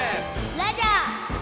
ラジャー！